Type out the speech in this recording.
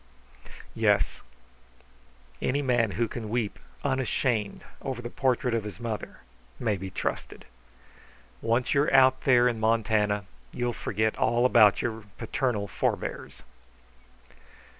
"Yes. Any man who can weep unashamed over the portrait of his mother may be trusted. Once you are out there in Montana you'll forget all about your paternal forbears."